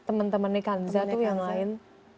teman temannya kanza itu yang lain